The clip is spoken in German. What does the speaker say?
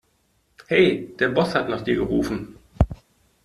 Hey, der Boss hat nach dir gerufen.